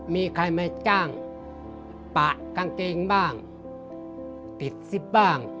มีใครมาจ้างปะกางเกงบ้างติดซิปบ้าง